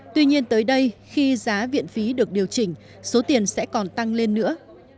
tuy nhiên tới đây khi giá viện phí được điều chỉnh số tiền sẽ còn tăng lên nữa